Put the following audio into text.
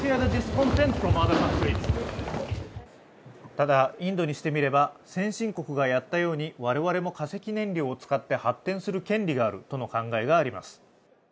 ただインドにしてみれば先進国がやったように我々も化石燃料を使って発展する権利があるとの考えがあります。